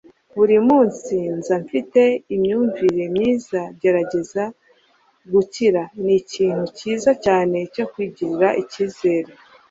buri munsi, nza mfite imyumvire myiza, ngerageza gukira. - ni ikintu cyiza cyane cyo kwigirira icyizere